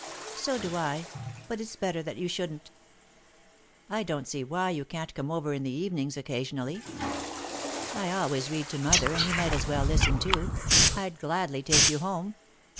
"So do I, but it's better that you shouldn't." "I don't see why you can't come over in the evenings occasionally. I always read to Mother and you might as well listen, too. I'd gladly take you home."